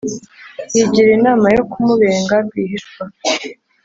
yigira inama yo kumubenga rwihishwa